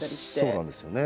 そうなんですよね。